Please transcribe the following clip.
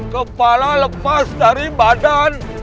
kepala lepas dari badan